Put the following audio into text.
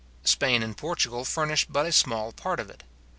Spain and Portugal furnish but a small part of it.